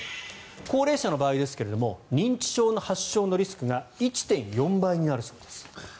高齢者の場合ですけれども認知症の発症のリスクが１．４倍になるそうです。